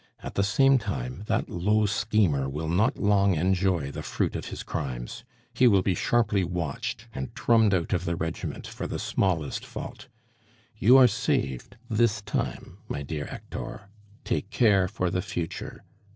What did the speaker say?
At the same time, that low schemer will not long enjoy the fruit of his crimes. He will be sharply watched, and drummed out of the regiment for the smallest fault. You are saved this time, my dear Hector; take care for the future.